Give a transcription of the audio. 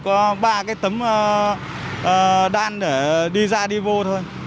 có ba cái tấm đan để đi ra đi vô thôi